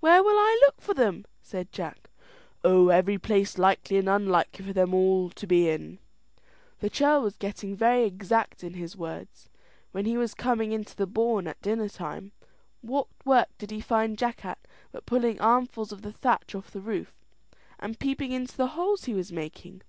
"Where will I look for them?" said Jack. "Oh, every place likely and unlikely for them all to be in." The churl was getting very exact in his words. When he was coming into the bawn at dinner time, what work did he find Jack at but pulling armfuls of the thatch off the roof, and peeping into the holes he was making?